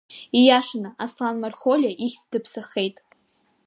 Ииашаны Аслан Мархолиа ахьӡ даԥсахеит.